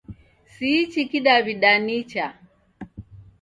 Siichi kidawida nicha